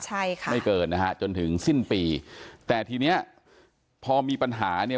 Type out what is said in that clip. ใช่ค่ะไม่เกินนะฮะจนถึงสิ้นปีแต่ทีเนี้ยพอมีปัญหาเนี่ย